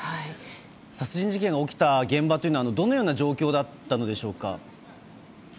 殺人事件が起きた現場というのはどのような状況だったのでしょうか。